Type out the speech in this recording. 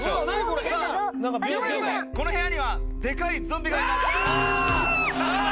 この部屋にはでかいゾンビがいます！キャーッ！